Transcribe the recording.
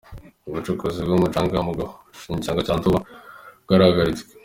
Ubucukuzi bw’Umucanga mu gishanga cya Nduba bwarahagaritswe